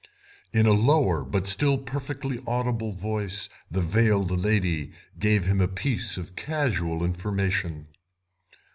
In a lower, but still perfectly audible, voice the veiled lady gave him a piece of casual information.